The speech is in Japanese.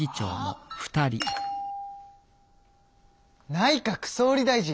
内閣総理大臣！